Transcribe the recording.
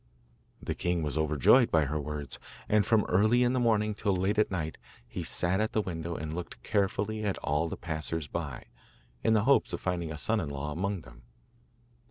The king was overjoyed by her words, and from early in the morning till late at night he sat at the window and looked carefully at all the passers by, in the hopes of finding a son in law among them.